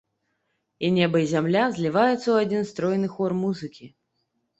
І неба і зямля зліваюцца ў адзін стройны хор музыкі.